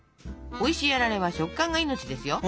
おいしいあられは食感が命ですよ。